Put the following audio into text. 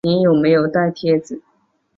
你有没有带贴纸